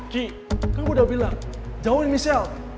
ki kan gue udah bilang jauhin michelle